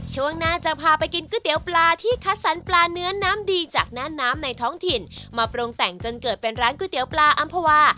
ช่วงหน้าจะพาไปกินก๋วยเตี๋ยวปลาที่คัดสรรปลาเนื้อน้ำดีจากหน้าน้ำในท้องถิ่นมาปรุงแต่งจนเกิดเป็นร้านก๋วยเตี๋ยวปลาอำภาวา